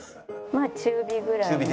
まあ中火ぐらいに。